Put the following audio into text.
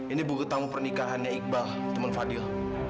ini buku tamu pernikahannya iqbal teman fadil